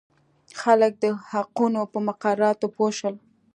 خلک د حقوقو په مقرراتو پوه شول.